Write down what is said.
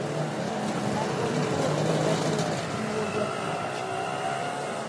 Sin embargo no pudo completar su obra y no volvió a publicar.